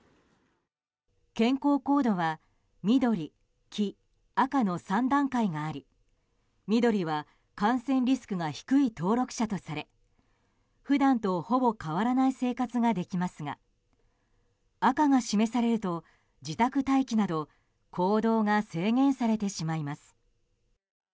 健康コードは緑、黄、赤の３段階があり緑は感染リスクが低い登録者とされ普段とほぼ変わらない生活ができますが赤が示されると、自宅待機など行動が制限されてしまいます。